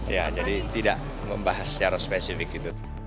ya jadi tidak membahas secara spesifik gitu